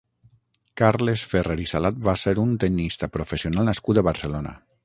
Carles Ferrer i Salat va ser un tennista professional nascut a Barcelona.